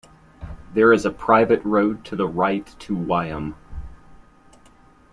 There is a private road to the right to Wyham.